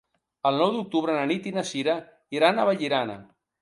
El nou d'octubre na Nit i na Cira iran a Vallirana.